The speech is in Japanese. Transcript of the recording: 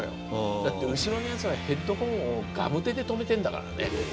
だって後ろのやつはヘッドホンをガムテで留めてんだからね。